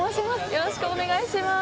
よろしくお願いします。